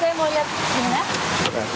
nah ini untuk masi